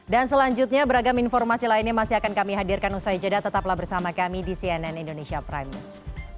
dan selanjutnya beragam informasi lainnya masih akan kami hadirkan usai jeda tetaplah bersama kami di cnn indonesia prime news